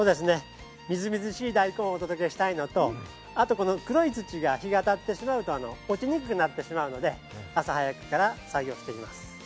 みずみずしい大根をお届けしたいのと、あと、黒い土が日が当たってしまうと落ちにくくなってしまうので朝早くから作業しています。